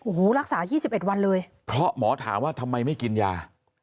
โอ้โหรักษายี่สิบเอ็ดวันเลยเพราะหมอถามว่าทำไมไม่กินยาอ้อ